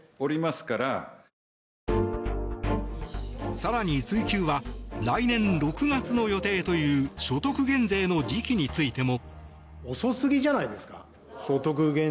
更に追及は来年６月の予定という所得減税の時期についても。